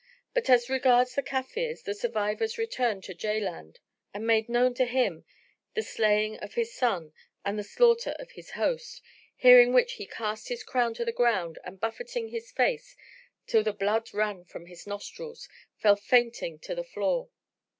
But as regards the Kafirs, the survivors returned to Jaland and made known to him the slaying of his son and the slaughter of his host, hearing which he cast his crown to the ground and buffeting his face, till the blood ran from his nostrils, fell fainting to the floor.